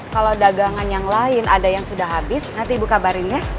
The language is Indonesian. kalau dagangan yang lain ada yang sudah habis nanti ibu kabarin ya